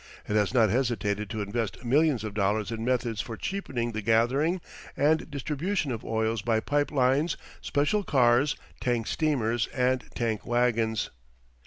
It has not hesitated to invest millions of dollars in methods for cheapening the gathering and distribution of oils by pipe lines, special cars, tank steamers, and tank wagons.